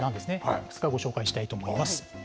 いくつかご紹介したいと思います。